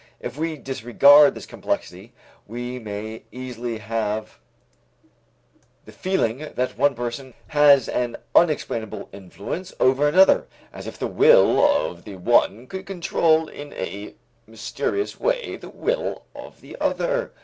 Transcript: If we disregard this complexity we may easily have the feeling that one person has an unexplainable influence over another, as if the will of the one could control in a mysterious way the will of the other.